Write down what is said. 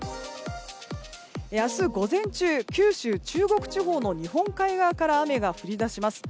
明日午前中九州・中国地方の日本海側から雨が降り出します。